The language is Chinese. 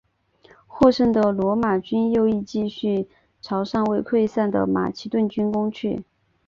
获胜的罗马军右翼继续朝尚未溃散的马其顿军攻去。